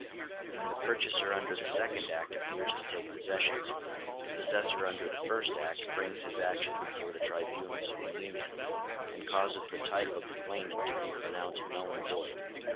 When the purchaser under the second act appears to take possession, the possessor under the first act brings his action before the tribunals of the Union, and causes the title of the claimant to be pronounced null and void.